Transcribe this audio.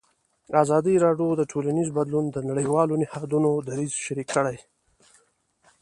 ازادي راډیو د ټولنیز بدلون د نړیوالو نهادونو دریځ شریک کړی.